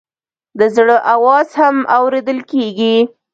د زړه آواز هم اورېدل کېږي.